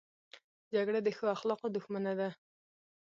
جګړه د ښو اخلاقو دښمنه ده